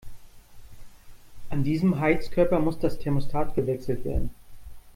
An diesem Heizkörper muss das Thermostat gewechselt werden.